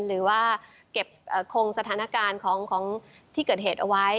หรือว่าเก็บคงสถานการณ์ของที่เกิดเหตุเอาไว้